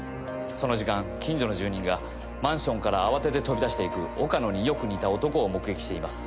その時間近所の住人がマンションから慌てて飛び出していく岡野によく似た男を目撃しています。